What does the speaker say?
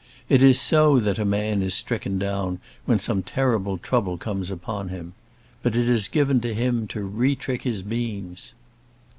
It is so that a man is stricken down when some terrible trouble comes upon him. But it is given to him to retrick his beams."